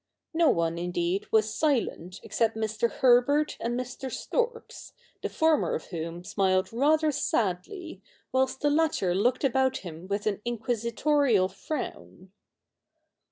No one, indeed, was silent except Mr. Herbert and Mr. Storks, the former of whom smiled rather sadly, whilst the latter looked about him with an inquisitorial frown.